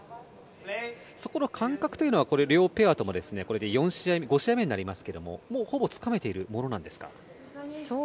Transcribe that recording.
そこの感覚というのは両ペアともこれで５試合目になりますがほぼつかめているものなんですか？